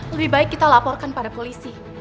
lebih baik kita laporkan pada polisi